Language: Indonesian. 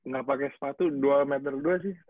gak pakai sepatu dua meter dua sih